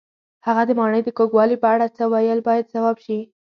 هغه د ماڼۍ د کوږوالي په اړه څه وویل باید ځواب شي.